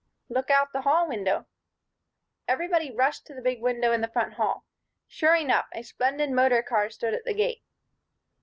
"Look out the hall window." Everybody rushed to the big window in the front hall. Sure enough! A splendid motor car stood at the gate.